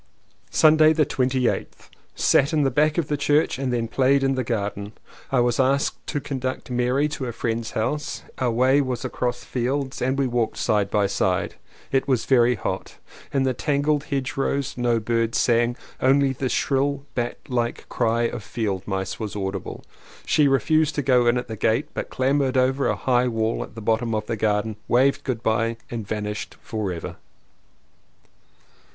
Sunday the 28th. Sat at the back of the church and then played in the garden. I was asked to con duct Mary to a friend's house. Our way was across fields and we walked side by side. It was very hot. In the tangled 215 CONFESSIONS OF TWO BROTHERS hedgerows no birds sang, only the shrill bat like cry of field mice was audible. She refused to go in at the gate but clambered over a high wall at the bottom of the garden, waved good bye and vanished forever.